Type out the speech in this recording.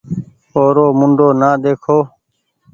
اورو منڍو نآ ۮيکو